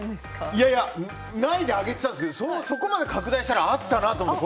いやいや、ないで上げてたんですけどそこまで拡大したら、あったなと思って。